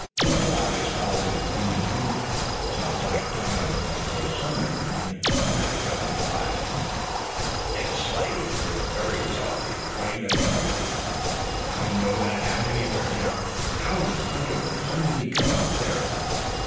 Dick's eyes followed his pointing finger, saw a black dot on the utmost summit, and then he snatched up his glasses. "It's Slade, his very self!" he exclaimed in excitement. "I'd know that hat anywhere. Now, how under the sun did he come there!"